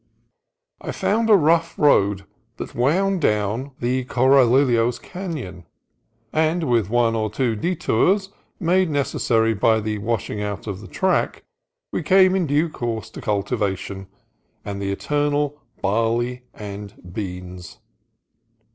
I found a rough 138 CALIFORNIA COAST TRAILS road that wound down the Corralillos Canon, and with one or two detours made necessary by the wash ing out of the track, we came in due course to cul tivation and the eternal barley and beans.